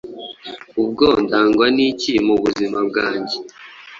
Ubwo ndangwa n’iki muzima bwange